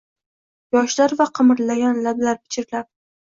yoshlar va qimirlagan lablar pichirlab